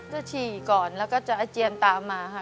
ฉี่ก่อนแล้วก็จะอาเจียนตามมาค่ะ